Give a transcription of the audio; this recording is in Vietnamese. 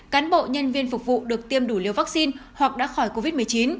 cán bộ nhân viên phục vụ được tiêm đủ liều vaccine hoặc đã khỏi covid một mươi chín